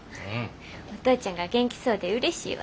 お父ちゃんが元気そうでうれしいわ。